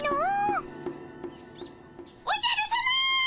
おじゃるさま！